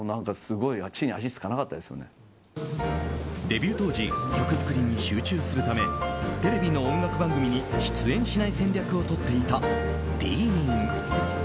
デビュー当時曲作りに集中するためテレビの音楽番組に出演しない戦略をとっていたＤＥＥＮ。